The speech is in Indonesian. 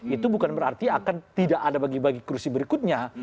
itu bukan berarti akan tidak ada bagi bagi kursi berikutnya